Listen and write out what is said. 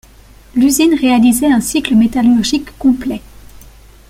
L'usine réalisait un cycle métallurgique complet.